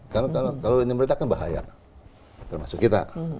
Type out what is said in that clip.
kalau ini meredakan bahaya termasuk kita